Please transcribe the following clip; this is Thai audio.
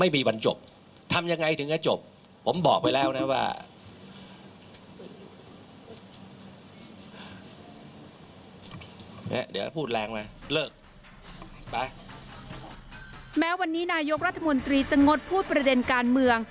แม้วันนี้นายกรัฐมนตรีจะงดพูดประเด็นการเมือง